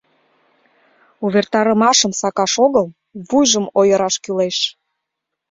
— Увертарымашым сакаш огыл, вуйжым ойыраш кӱлеш.